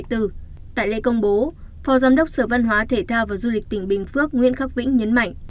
tại lễ công bố phó giám đốc sở văn hóa thể thao và du lịch tỉnh bình phước nguyễn khắc vĩnh nhấn mạnh